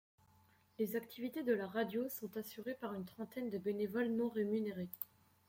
Les activités de la radio sont assurées par une trentaine de bénévoles non rémunérés.